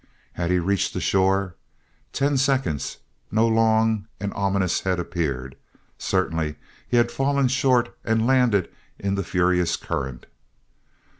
Had he reached the shore? Ten seconds no long and ominous head appeared certainly he had fallen short and landed in the furious current.